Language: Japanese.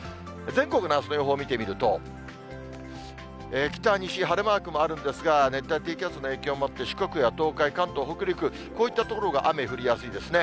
全国のあすの予報見てみますと、北、西、晴れマークもあるんですが、熱帯低気圧の影響もあって、四国や東海、関東、北陸、こういった所が雨降りやすいですね。